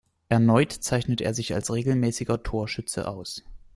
Erneut zeichnete er sich als regelmäßiger Torschütze aus.